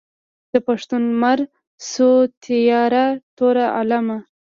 د پښتون لمر شو تیاره تور عالمه.